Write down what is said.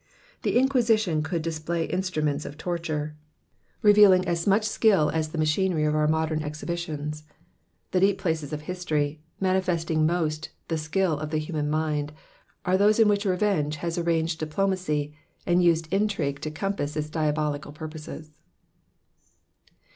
The Inquisition could display instruments of torture, revealing as much skill as ther machinery of our modern exhibitions. The deep places of history, manifesting most the skill of the human mind, are those in .which revenge has arranged diplomacy, and used intrigue to compass its diabolical purposes.